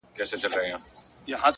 هڅه د فرصتونو دروازې پرانیزي،